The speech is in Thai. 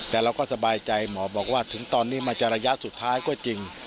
แต่เราก็สบายใจหมอบอกว่าถึงตอนนี้มันจะระยะสุดท้ายก็จริง